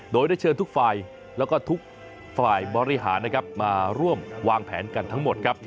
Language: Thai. โดยได้เชิญทุกฝ่ายและทุกฝ่ายบริหารมาร่วมวางแผนกันทั้งหมด